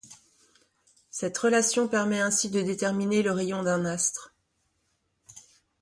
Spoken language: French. Cette relation permet ainsi de déterminer le rayon d'un astre.